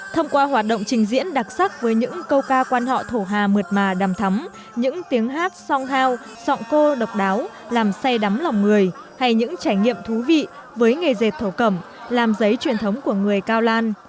thông qua hoạt động trình diễn đặc sắc với những câu ca quan họ thổ hà mượt mà đầm thắm những tiếng hát song hao cô độc đáo làm say đắm lòng người hay những trải nghiệm thú vị với nghề dệt thổ cẩm làm giấy truyền thống của người cao lan